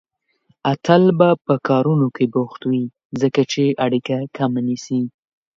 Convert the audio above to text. اتل به په کارونو کې بوخت وي، ځکه چې اړيکه کمه نيسي.